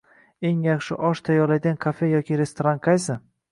eng yaxshi osh tayyorlaydigan kafe yoki restoran qaysi?